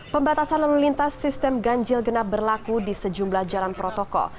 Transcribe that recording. pembatasan lalu lintas sistem ganjil genap berlaku di sejumlah jalan protokol